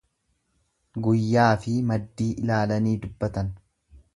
Guyyaafi maddii ilaalanii dubbatan.